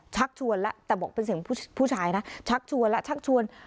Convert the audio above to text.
ชักชวนแล้วแต่บอกเป็นเสียงผู้ชายนะชักชวนแล้วชักชวน